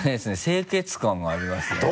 清潔感がありますよね。